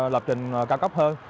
lập trình cao cấp hơn